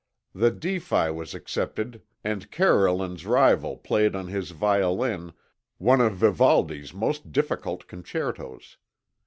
The defi was accepted and Carolan's rival played on his violin one of Vivaldi's most difficult concertos.